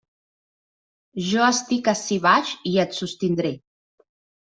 Jo estic ací baix i et sostindré.